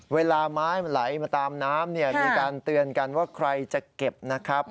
เวลาไม้มันไหลมาตามน้ำเนี่ยมีการเตือนกันว่าใครจะเก็บนะครับ